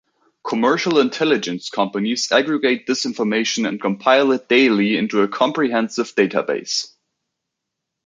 Commercial intelligence companies aggregate this information and compile it daily into a comprehensive database.